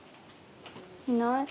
いない？